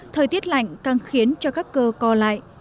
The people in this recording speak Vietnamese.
thời tiết lạnh càng khiến cho các cơ co lại